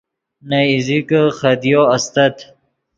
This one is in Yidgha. نے ایزیکے خدیو استت